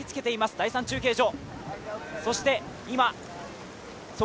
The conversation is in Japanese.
第３中継所。